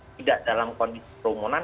tidak dalam kondisi perumunan